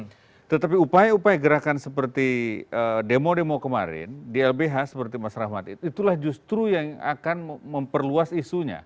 karena upaya upaya gerakan seperti demo demo kemarin di lbh seperti mas rahmat itulah justru yang akan memperluas isunya